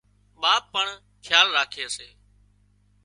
ٻاپ پڻ کيال راکي سي